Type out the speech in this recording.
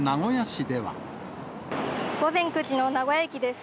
午前９時の名古屋駅です。